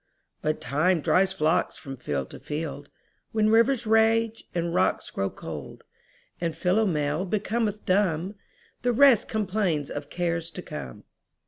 But Time drives flocks from field to fold; When rivers rage and rocks grow cold; And Philomel becometh dumb; The rest complains of cares to come.